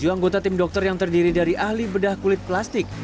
tujuh anggota tim dokter yang terdiri dari ahli bedah kulit plastik